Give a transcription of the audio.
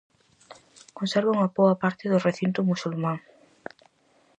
Conserva unha boa parte do recinto musulmán.